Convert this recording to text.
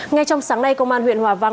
ngay trong sáng nay công an huyện hòa văn